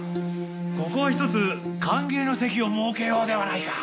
ここはひとつ歓迎の席を設けようではないか。